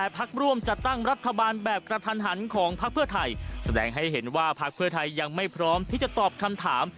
พลังไปพร้อมที่จะตอบทำถาม